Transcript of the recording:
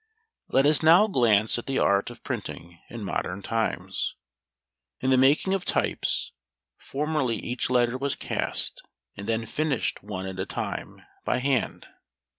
Let us now glance at the Art of Printing in modern times. In the making of types, formerly each letter was cast, and then finished one at a time, by hand.